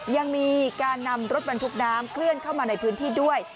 ยังมีการนำรถบรรทุกน้ำเคลื่อนเข้ามาในพื้นที่ด้วย